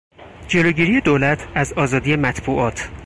جلوگیری دولت از آزادی مطبوعات